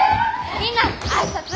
みんな挨拶。